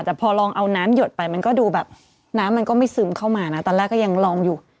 แต่พอลองเอาน้ำหยดไปมันก็ดูแบบน้ำมันก็ไม่ซึมเข้ามานะตอนแรกก็ยังลองอยู่